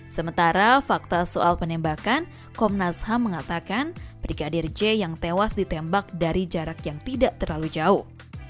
sementara fakta soal penembakan komnas ham mengatakan brigadir j yang tewas ditembak dari jarak yang tidak terlalu jauh